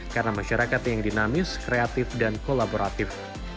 karena masyarakat yang dinamis kreatif dan kolaboratif